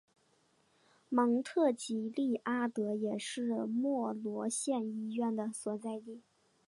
芒特吉利阿德也是莫罗县医院的所在地。